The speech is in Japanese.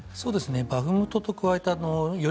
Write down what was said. バフムトと加えて寄り